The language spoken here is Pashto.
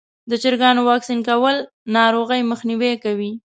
د چرګانو واکسین کول ناروغۍ مخنیوی کوي.